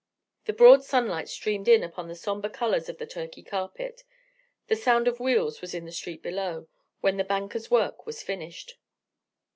The broad sunlight streamed in upon the sombre colours of the Turkey carpet, the sound of wheels was in the street below, when the banker's work was finished.